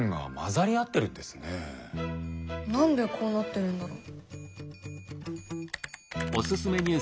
何でこうなってるんだろう？